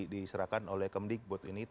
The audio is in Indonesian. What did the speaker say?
diserahkan oleh kemendikbud ini